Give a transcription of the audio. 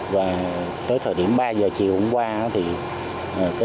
và tới thời điểm ba giờ chiều hôm qua